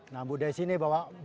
nah ibu desi ini bawa